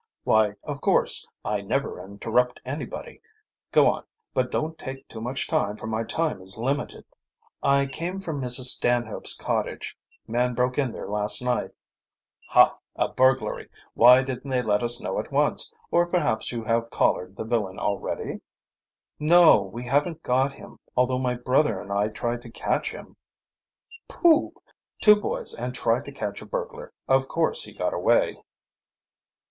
"Why, of course. I never interrupt anybody. Go on, but don't take too much time, for my time is limited." "I came from Mrs. Stanhope's cottage, man broke in there last night " "Ha, a burglary! Why didn't they let us know at once? Or perhaps you have collared the villain already?" "No, we haven't got him, although my brother and I tried to catch him." "Pooh! Two boys, and tried to catch a burglar! Of course he got away."